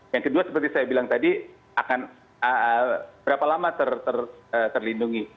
yang kedua seperti saya bilang tadi akan berapa lama terlindungi